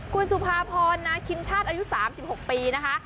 คุณสุภาพรนาคินชาติอายุ๓๖ปีนะคะ